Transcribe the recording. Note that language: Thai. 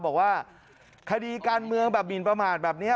บอกว่าคดีการเมืองแบบหมินประมาทแบบนี้